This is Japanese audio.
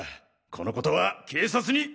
この事は警察に！